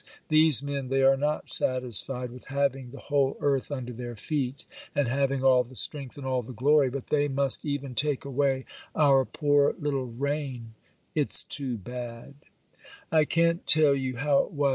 These men, they are not satisfied with having the whole earth under their feet, and having all the strength and all the glory, but they must even take away our poor little reign—it's too bad. 'I can't tell you how it was.